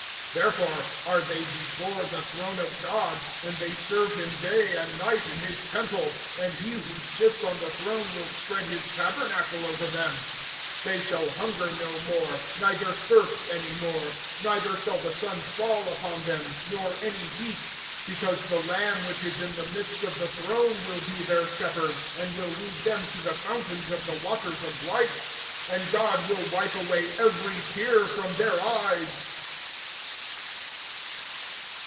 (15)Therefore are they before the throne of God, and they serve him day and night in his temple; and he who sits on the throne will spread his tabernacle over them[7:15]. (16)They shall hunger no more, neither thirst any more; neither shall the sun fall upon them, nor any heat; (17)because the Lamb which is in the midst of the throne will be their shepherd, and will lead them to the fountains of the waters of life; and God will wipe away every tear from their eyes.